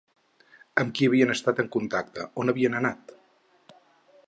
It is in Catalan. Amb qui havien estat en contacte, on havien anat?